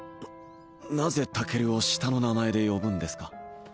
なぜタケルを下の名前で呼ぶんですか？